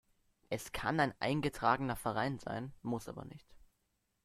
Es kann ein eingetragener Verein sein, muss aber nicht.